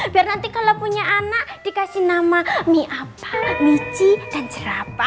biar nanti kalau punya anak dikasih nama miapa michi dan cerapa